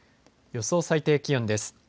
予想最低気温です。